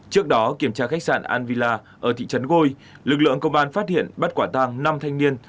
trước đó kiểm tra khách sạn an villa ở thị trấn gôi lực lượng công an phát hiện bắt quả tàng năm thanh niên